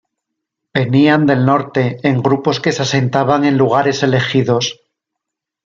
Venían del Norte en grupos que se asentaban en lugares elegidos.